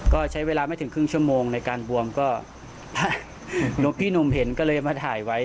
ก็ใช้เวลาไม่ถึงครึ่งชั่วโมงในการบวมก็พี่หนุ่มเห็นก็เลยมาถ่ายไว้